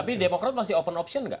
tapi demokrat masih open open